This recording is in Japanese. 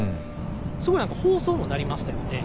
すごい何か放送も鳴りましたよね。